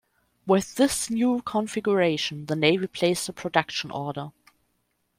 With this new configuration, the Navy placed a production order.